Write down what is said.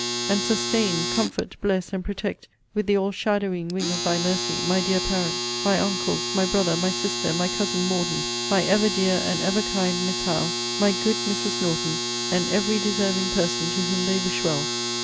And sustain, comfort, bless, and protect with the all shadowing wing of thy mercy, my dear parents, my uncles, my brother, my sister, my cousin Morden, my ever dear and ever kind Miss Howe, my good Mrs. Norton, and every deserving person to whom they wish well!